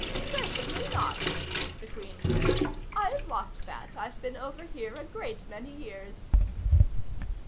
"Certainly not," the Queen said. "I've lost that; I've been over here a great many years."